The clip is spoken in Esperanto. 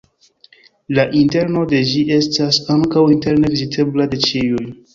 La interno de ĝi estas ankaŭ interne vizitebla de ĉiuj.